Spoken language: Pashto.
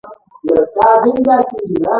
اردن د دوی په منځ کې دی.